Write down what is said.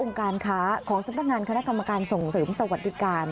การค้าของสำนักงานคณะกรรมการส่งเสริมสวัสดิการ